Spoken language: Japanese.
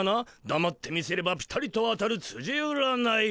だまって見せればピタリと当たるつじ占い。